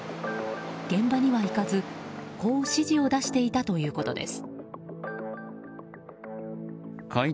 現場には行かずこう指示を出していたということです。